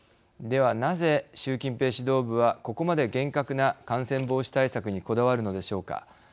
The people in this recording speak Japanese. では、なぜ習近平指導部はここまで厳格な感染防止対策にこだわるのでしょうか。